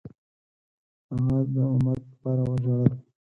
هغه د امت لپاره ژړل.